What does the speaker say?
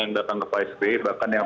yang datang ke pak sby bahkan yang